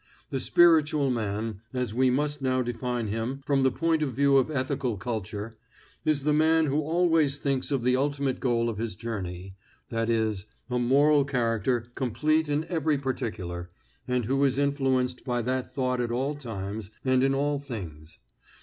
The spiritual man, as we must now define him from the point of view of Ethical Culture, is the man who always thinks of the ultimate goal of his journey, i. e., a moral character complete in every particular, and who is influenced by that thought at all times and in all things.